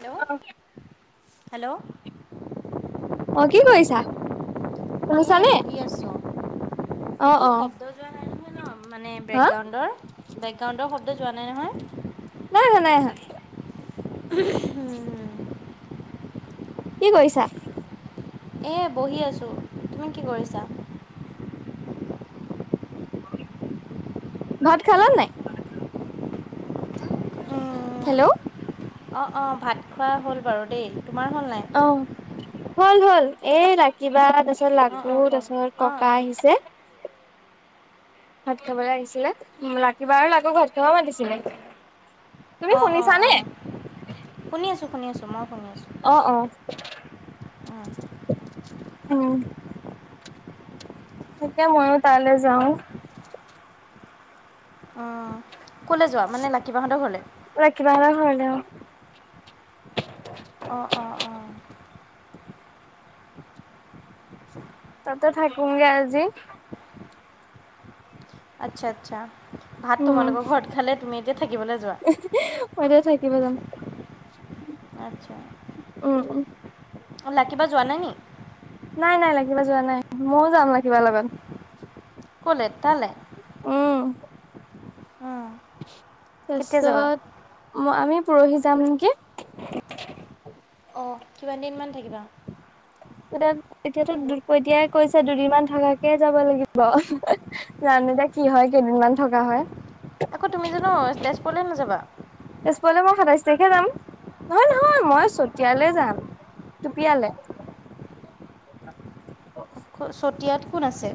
Hello [unintelligible] hello. অঁ', কি কৰিছা? এনেই শুনিছানে বহি আছো। অ একো অ শব্দ শব্দ যোৱা নাই নহয় ন' মানে হা বেকগ্ৰাউণ্ডৰ, বেকগ্ৰাউণ্ডৰ শব্দ যোৱা নাই নহয়? নাই অহা, নাই অহা। উম। কি কৰিছা? এ' বহি আছোঁ। তুমি কি কৰিছা? ভাত খালা নে নাই? অঁহ', হেল্ল' -অঁহ ভাত খোৱা হ'ল বাৰু দেই। তোমাৰ হ'ল নে নাই? অহ। হ'ল, হ'ল। এ' ৰাখি বা তাৰপিছত অঁ লাডু অঁ ক তাৰপিছত অঁ ককা অঁ আহিছে। ভাত খাবলৈ আহিছিলে। ৰাখিবা, লাডু ভাত খাব মাতিছিলে। তুমি অঁহ', -অঁহ', শুনিছানে -অঁহ', - শুনি আছোঁ, শুনি আছোঁ, মই শুনি আছোঁ। অ অ উম। উম এতিয়া মইও তালৈ যাওঁ। উমঁ। কলে যোৱা? মানে ৰাখি বা হঁতৰ ঘৰলে। ৰাখিবা ঘৰলে। অঁহ', -অঁহ', -অঁ', -। তা'তে থাকিম গে আজি। আচ্ছা-আচ্ছা। ভাত উম তোমালোকৰ ঘৰত খালে, তুমি এতিয়া থাকিবলৈ যোৱা। মইতো থাকিব যাম। আচ্ছা। উম-উম। লাকি বা যোৱা নাই নি? নাই-নাই। লাকি বা যোৱা নাই, মইও যাম লাকি বা লগত। ক'লে? তালে। উমঁ। কেতিয়া যাবা তাৰপিছত আমি পৰহি যাম নেকি। অঁ কিমান দিন মান থাকিবা? এতিয়া, এতিয়াটো কৈছে দুদিনমান থকাকে যাব লাগিব। জানো এতিয়া কি হয়, কেইদিনমান থকা হয়। আকৌ তুমি জানো তেজপুৰলৈ নাযাবা? তেজপুৰলৈ মই সাতাইশ তাৰিখে যাম, নহয়-নহয় মই চতিয়ালে যাম। কেতিয়ালে? চতিয়াত কোন আছে?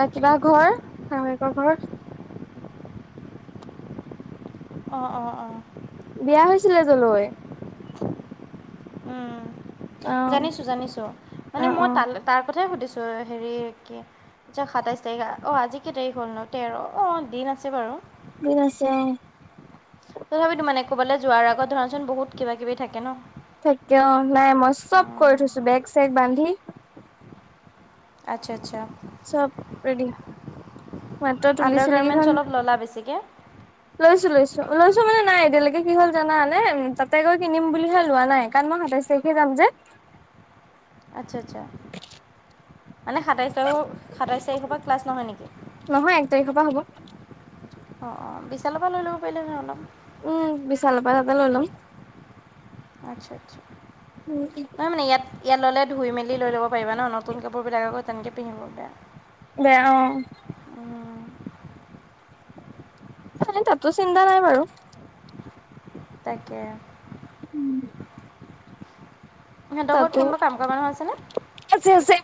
নাকি বা ঘৰ, শাহয়েকৰ ঘৰ। অহ', -অহ', -অহ', -। বিয়া হৈছিলে তালৈ। অ জানিছোঁ-জানিছোঁ। মানে অ মই অ তালে- তাৰ কথাই সুধিছো হেৰি কি আচ্ছা সাতাইছ তাৰিখ অ', আজি কেই তাৰিখ হ'ল ন তেৰ অ', দিন আছে বাৰু। দিন আছে। তথাপি তো মানে ক'বালে যোৱাৰ আগত ধৰাচোন বহুত কিবা-কিবি থাকে ন। থাকে অ', নাই মই চব কৰি থৈছোঁ বেগ চেগ বান্ধি আচ্ছা, আচ্ছা। চব ৰেডি মাত্ৰ তুলি আণ্ডাৰ চিলি গাৰ্মেণ্টছ কিখন অলপ ল'লা বেছিকৈ লৈছোঁ, লৈছোঁ, লৈছোঁ মানে নাই এতিয়ালৈকে কি হ'ল জানে তাতে গৈ কিনিম বুলিহে লোৱা নাই কাৰণ মই সাতাইশ [unintelligible] যাম যে আচ্ছা, আচ্ছা মানে সাতাইছ তাৰিখৰ সাতাইছ তাৰিখৰ পৰা ক্লাছ নহয় নেকি। নহয় এক তাৰিখৰ পৰা হ'ব। অ', অ', বিশালৰ পৰা লৈ ল'ব পাৰিলে নহয় অলপ। উম বিশালৰপ পৰা তাতে লৈ ল'ম। আচ্ছা, আচ্ছা। উম, উম। নহ মান ইয়াত ইয়াত ল'লে ধুই মেল লৈ ল'ব পাৰা নতুন কাপোৰবিলাক আকৌ তেনেকৈ পিন্ধিব পাৰে। দেয়া অ'। খালি তাতো চিন্তা নাই বাৰু। তাকে। উম। সিহঁতৰ ঘৰত তাতো কোনোবা কাম মানুহ আছেনে? আছে, আছে।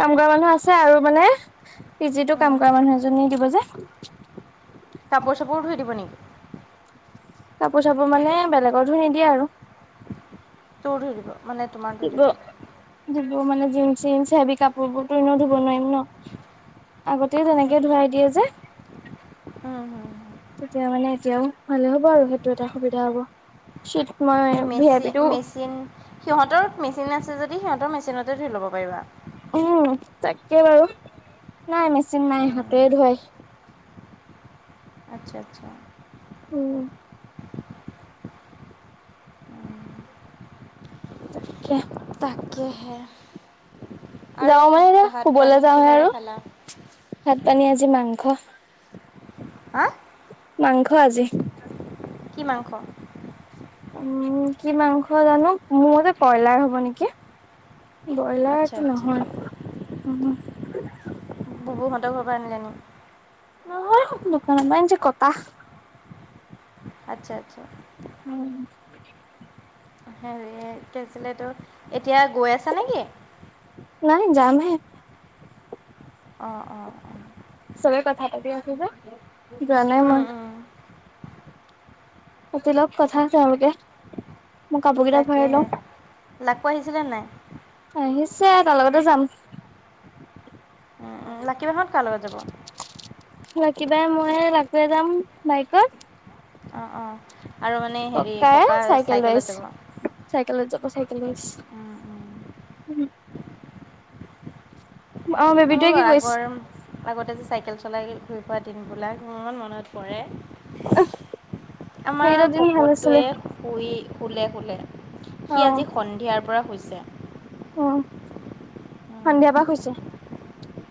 কাম কৰা মানুহ আছে আৰু মানে পি জিটো কাম কৰা মানুহ এজনী দিব যে। কাপোৰ চাপোৰো ধূই দিব নেকি। কাপোৰ চাপোৰ মানে বেলেগৰ ধূই নিদিয়ে আৰু। তোৰ ধূই দিব মানে তোমাৰ ধৈ দিব। ধূব মানে জিন্স জিন্স হেভি কাপোৰ বোৰতো এনেও ধূব নোৱাৰম ন। আগতেও তেনেকে ধৰাই দিয়ে যে উম, উম। তেতিয়া মানে এতিয়াও ভালে হ'ব আৰু সেইটো এটা সুবিধা হ'ব। শীত মই ভি আই মেচিন পিটো মেচিন সিহঁতৰ মেচিন আছে যদি সিহঁতৰ মেচিনতে ধূই ল'ব পাৰিবা। উম, তাকে বাৰু নাই মেচিন নাই হাতেৰে ধোৱে। আচ্ছা, আচ্ছা। উম। তাকে। তাকেহে যাওঁ আৰু মানে এতিয়া ভাত শুবলৈ পানী যাওঁহে কিহেৰে আৰু খালা? ভাত পানী আজি মাংস। হা মাংস আজি। কি মাংস? উম কি মাংস জানো মোৰ মতে কইব্ৰইলাৰ হ'ব নেকি। ব্ৰইলাৰ আচ্ছা টো আচ্ছা নহয় উম। ববুহঁতৰ পৰা আনিলে আনিম। নহয় দোকানৰ পৰা যে কটা আচ্ছা আচ্ছা। উম হেৰি কি আছিলে তোৰ এতিয়া গৈ আছে নেকি? নাই যামহে। অ অ অ। চবে কথা-পাতি আছে যে অঁ হোটেলত কথা তেওলোকে তাকেহে। লাগ পা আহিছিলে নাই? আহিছে তাৰ লগতে যাম। লাকি বাঁহত কাৰ লগত যাব? লাকিবাই-ময়ে ৰাতে যাম বাইকত। অ অ, আৰু মানে- হেৰি ককা এ চাইকেল চাইকেলত যাব লইছ- চাইকেলত যাব চাইকেলচ। উম অ বেবীটোৱে মোৰো কি কৰিছে? আগৰ আগতে যে চাইকেল চলাই ঘূৰি ফুৱা দিনবিলাক ইমান মনত পৰে আমাৰ সেইকেইটা দিন ভাল আছিলে। পপতটোৱে শুই শুলে-শুলে। অ সি আজি সন্ধিয়াৰ পৰা শুইছে। অ, সন্ধিয়া পৰা শোইছে।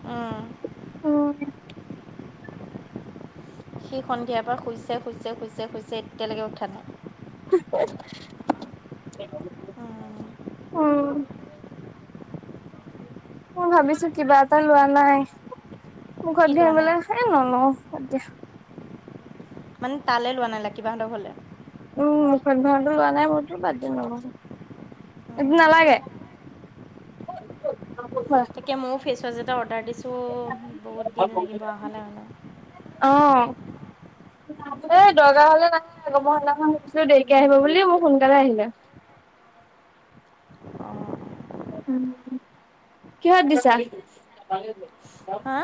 অঁ উম সি সন্ধিয়াৰ পৰা শুইছে-শুইছে-শুইছে-শুইছে এতিয়ালৈকে উঠা নাই। অঁ মই ভাবিছো কিবা এটা লোৱা নাই। মুখত কি লোৱা নাই ঘহিবলে, এ নলও বাদ দিয়া। মান তালে লোৱা নাই লাকি-বা'হঁত ঘলে। উম্ মুখত ঘহাটো লৱা নাই মোৰতো বাদ দিম। এইটো নালাগে? হ কিয়া ময়ো ফেচৱাছ এটা অৰ্ডাৰ দিছোঁ। বহুত দিন লাগিব অহালৈ মানে অ' ন দৰকাৰ হলে নাহে মই সেনাখন সুধছিলো দেৰিকে আহিব বুলি মোক সোনকালে আহিলে। উম উ কিহত দিছা? হা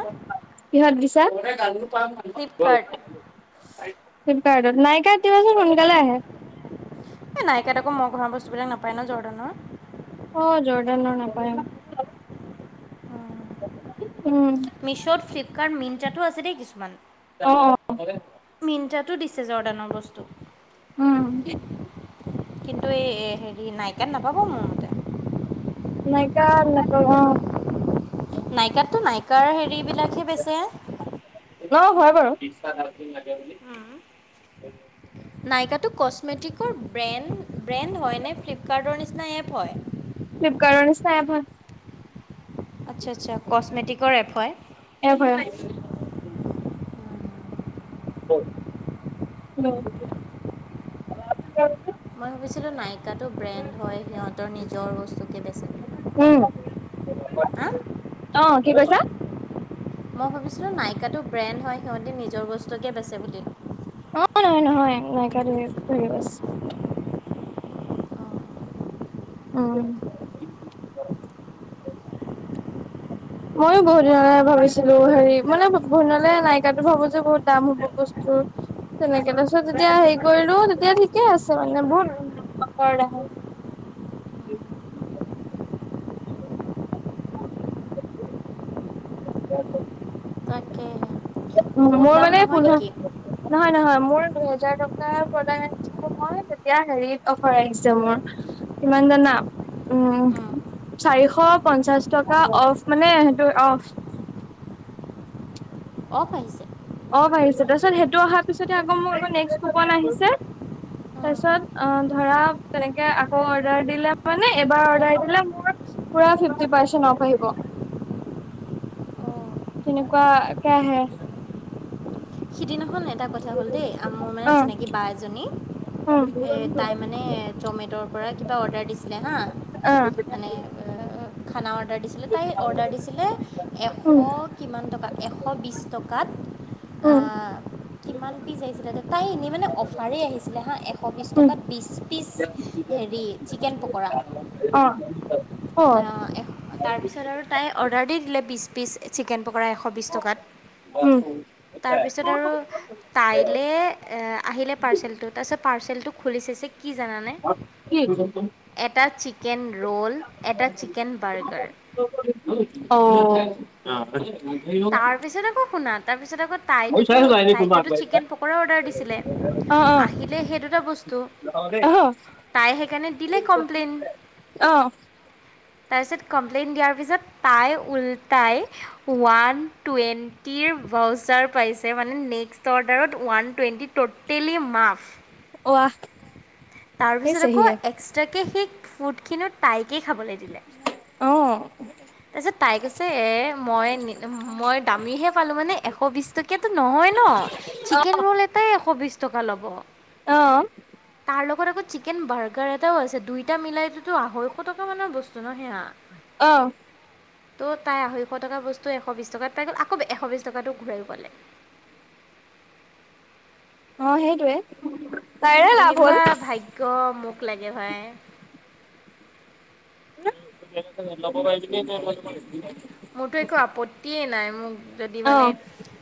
কিহত দিছা? ফ্লিপকাৰ্ট ফ্লিপকাৰ্টত, নাইকাট দিবাচোন সোনকালে আহে। এ নাইকাট আকৌ মই ঘহা বস্তু বিলাক নাপায় ন জৰ্দানৰ। অ' জৰদানৰ নাপায়। উম মিছ্ব'ত, ফ্লিপকাৰ্ট, মিন্ত্ৰাটো আছে দেই কিছুমান। অ', অ', মিন্ত্ৰাটো দিছে জৰ্ডানৰ বস্তু। উম কিন্তু এই হেৰি নাইকাত নাপাব ম নাইকাট নাপাবা অঁ। নাইকাটতো নাইকাৰ হেৰি বিলাকহে বেচে। হ হয় বাৰু। নাইকাটো কচমেটিকৰ ব্ৰেণ্ড, ব্ৰেণ্ড হয় নে ফ্লিপকাৰ্টৰ নিচিনা এপ হয়? ফ্লিপকাৰ্টৰ নিচিনা এপ হয়। আচ্ছা আচ্ছা কচমেটিকৰ এপ হয়। এপ হয় [unintelligible] ওম, হুম মই ভাবিছিলোঁ নাইকাটো ব্রেণ্ড হয়, সিহঁতৰ নিজৰ বস্তুকে বেচি উম। হা? অঁ কি কৈছা? মই ভাবিছিলোঁ নাইকাটো ব্ৰেণ্ড হয় সিহঁতি নিজৰ বস্তুকে বেছে বুলি। অঁ, নহয় নহয় নাইকা‌ তুমি কৰি বছ অঁ [unintelligible] [inaudible] ময়ো বহু দিনলে ভাবিছিলো হেৰি মানে বহুত দিনলে নাইকাটো ভাবো যে বহুত দাম হ'ব। বস্তু তেনেকে তাছত যেতিয়া হেৰি কৰিলো তেতিয়া ঠিকে আছে মানে, বহুত অপাৰ দেখাইছে। ব ম মহ আ [inaudible] তাকে অ [unintelligible] বহুত মই দাম মানে নহয় পোন্ধৰ নেকি নহয় নহয়। মোৰ দুইহেজাৰ টকা প্ৰদাক আ মই তেতিয়া হেৰিত অফাৰ আহিছে মোৰ। কিমান জানা? উম, চাৰিশ পঞ্চাশ টকা অ'ফ মানে সেইটো অ'ফ। অ'ফ আহিছে। অঁ, বাঢিছে তাৰপিছত সেইটো অহাৰ পিছতে আকৌ মোক নেক্স কোপন আহিছে। তাৰ অঁ পিছত অঁ, ধৰা তেনেকে আকৌ অৰ্ডাৰ দিলে মানে এবাৰ অৰ্ডাৰ দিলে মোৰ পোৰা ফিফটি পাৰ্চেন্ট অ'ফ আহিব। তেনেকুৱা কে আহে। এদিনাখন এটা কথা হ'ল দেই, আ মোৰ মানে অ চিনাকি বা এজনী উম এ তাই মানে জমেটৰ পৰা কিবা অৰ্ডাৰ দিছিলে হা। অ মানে এ খানা অৰ্ডাৰ দিছিলে, তাই অৰ্ডাৰ দিছিলে এশ উম কিমান টকা, এশ বিছ টকাত উম। কিমান পিচ আহিছিলে? তাই এনেই মানে অফাৰেই আহিছিলে হাঁ এশ বিছ উম টকাত বিছ পিচ হেৰি চিকেন প'কৰা। অঁ। অঁ, তাৰপিছত আৰু তাই অৰ্ডাৰ দি দিলে বিচ পিচ চিকেন পকৰা এশ বিশ টকাত। উম। তাৰপিছত আৰু তাইলে আহিলে পাৰ্চেলটো। তাৰপিছত পাৰ্চেলটো খুলি চাইছে কি জানানে? কি এটা চিকেন ৰোল, এটা চিকেন বাৰ্গাৰ। অঁ পিছত আকৌ শুনা। তাৰপিছত আকৌ তাইটোতো তাইকটোত চিকেন পকৰা অৰ্ডাৰ দিছিলে। অ আহিলে সেই দুটা বস্তু। অ আহ তাই সেইকাৰণে দিলে কমপ্লেন। অঁ। তাৰপিছত কমপ্লেইনট দিয়াৰ পিছত, তাই উল্টাই ওৱান টুৱেণ্টিৰ ভাউচাৰ পাইছে, মানে নেক্সট অৰ্ডাৰত ওৱান টুৱেণ্টি ট'টেলি মাফ। ওৱাহ। তাৰ পিছত আকৌ এক্সট্ৰাকে সেই ফুড খিনি তাইকে খাবলে দিলে। [unintelligible] অ। তাৰপিছত তাই কৈছে এ মই মই দামীহে পালো মানে এশ বিশ টকা- কিয়াটো নহয় ন চিকেন ৰোল এটাই এশ বিশ টকা ল'ব। অ তাৰ লগত আকৌ চিক চিকেন বাৰ্গাৰ এটাও আছে দুইটা মিলাইটোতো আঢৈশ টকা মানৰ বস্তু ন সেয়া। অ। ত' তাই আঢৈশ টকা বস্তু এশ বিশ টকাত পাই গ'ল আকৌ এশ বিশছ টকাটো ঘূৰাইও পালে। অঁ' সেইটোৱেই। এনেকুৱা ভাগ্য মোক লাগে ভাই। [unintelligible] মোৰতো একো আপত্তিয়ে নাই, মোক যদি অ', মানে-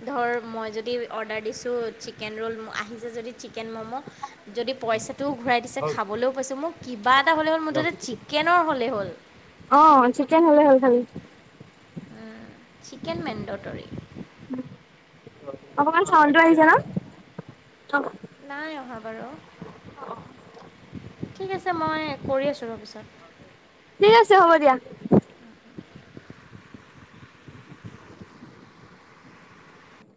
ধৰ মই যদি অৰ্ডাৰ দিছোঁ চিকেন ৰোল আহিছে যদি চিকেন ম'ম'- যদি পইচাটোও ঘূৰাই দিছে খাবলৈও পাইছোঁ, মোৰ কিবা এটা হ'লে হ'ল মুঠতে চিকেনৰ হ'লেই হ'ল। অঁ, চিকেন হ'লে হ'ল খালি। উম চিকেন মেন্দতৰি। অকমান চাউণ্ডটো আহিছে ন'? অ'। নাই অহা বাৰু। ঠিক আছে মই কৰি আছোঁ ৰ' পিছত। ঠিক আছে হ'ব দিয়া।